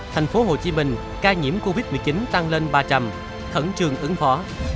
thành phố hồ chí minh ca nhiễm covid một mươi chín tăng lên ba trăm linh khẩn trương ứng phó